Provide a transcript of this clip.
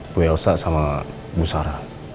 bu elsa sama bu sara